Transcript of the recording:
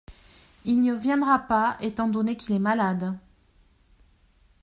Il ne viendra pas étant donné qu’il est malade.